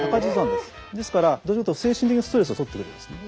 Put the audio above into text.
ですからどっちかっていうと精神的なストレスを取ってくれるんですね。